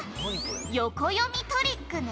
「横読みトリックね」